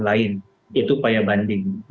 lain itu upaya banding